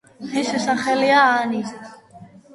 მისი სახელია „ანი“.